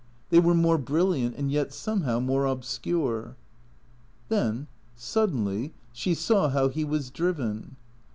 They were more brilliant and yet somehow more obscure. Then, suddenly, she saw how he was driven.